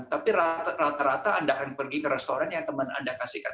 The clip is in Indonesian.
tapi rata rata anda akan pergi ke restoran yang teman anda kasihkan